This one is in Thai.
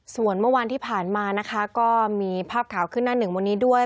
ส่วนเมื่อวานที่ผ่านมานะคะก็มีภาพข่าวขึ้นหน้าหนึ่งวันนี้ด้วย